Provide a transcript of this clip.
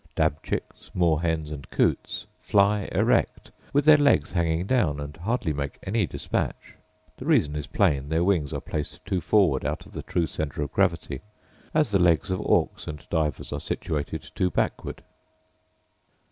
Dab chicks, moor hens, and coots, fly erect, with their legs hanging down, and hardly make any dispatch; the reason is plain, their wings are placed too forward out of the true centre of gravity; as the legs of auks and divers are situated too backward.